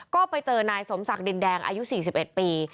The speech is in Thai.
ก็ไปเจอนายสมศักดินแดงอายุ๔๑ปี